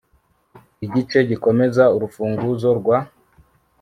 Igice gikomeza urufunguzo rwa